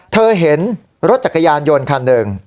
เธอเห็นรถจักรยานยนต์คันหนึ่ง